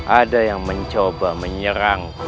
ada yang mencoba menyerangku